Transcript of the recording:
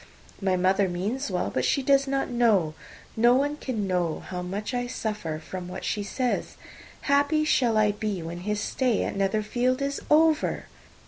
My mother means well; but she does not know, no one can know, how much I suffer from what she says. Happy shall I be when his stay at Netherfield is over!"